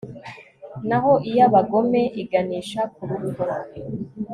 naho iy'abagome iganisha ku rupfu